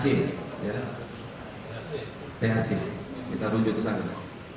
kita ujung ke sana